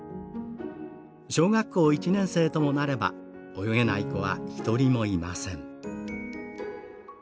小学校１年生ともなれば泳げない子は一人もいません」。